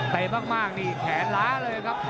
มากนี่แขนล้าเลยครับ